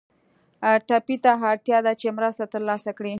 ټپي ته اړتیا ده چې مرسته تر لاسه کړي.